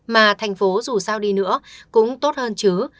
mà thành phố dù sao đi nữa cũng tốt hơn chứ